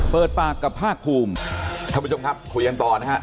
เปิดปากกับภาคภูมิท่านผู้ชมครับคุยกันต่อนะฮะ